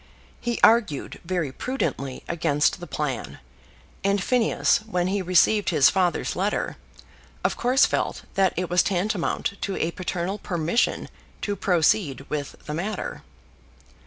He argued very prudently against the plan, and Phineas, when he received his father's letter, of course felt that it was tantamount to a paternal permission to proceed with the matter.